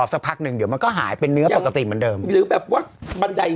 สักพักหนึ่งเดี๋ยวมันก็หายเป็นเนื้อปกติเหมือนเดิมหรือแบบว่าบันได